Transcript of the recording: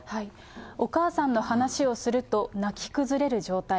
お母さんの話をすると、泣き崩れる状態。